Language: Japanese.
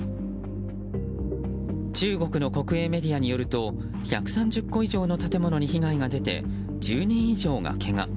中国の国営メディアによると１３０戸以上の建物に被害が出て、１０人以上がけが。